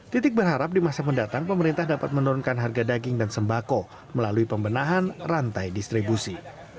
titik berharap di masa mendatang pemerintah dapat menurunkan harga daging dan sembako melalui pembenahan rantai distribusi